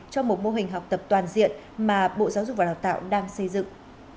cho một mô hình học tập toàn diện mà bộ giáo dục và đào tạo đang xây dựng